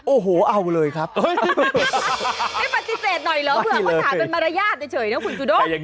โอ้โหเอาเลยครับให้ปฏิเสธหน่อยเหรอเผื่อเขาถามเป็นมารยาทเฉยนะคุณจูด้ง